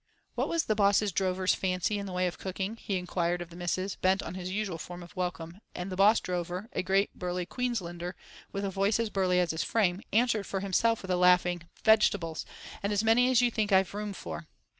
"What was the boss drover's fancy in the way of cooking?" he inquired of the missus, bent on his usual form of welcome, and the boss drover, a great burly Queenslander, with a voice as burly as his frame, answered for himself with a laughing "Vegetables! and as many as you think I've room for."